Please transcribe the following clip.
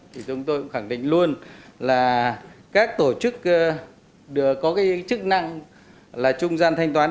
thì chúng tôi cũng khẳng định luôn là các tổ chức có cái chức năng là trung gian thanh toán